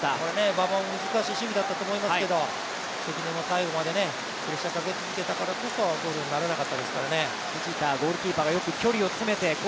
馬場も難しい守備だったと思いますけど、関根も最後までプレッシャーかけ続けたからこそゴールにならなかったですからね。